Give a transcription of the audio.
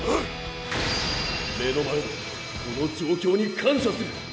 目の前のこの状況に感謝する。